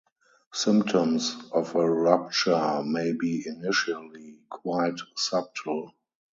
Symptoms of a rupture may be initially quite subtle.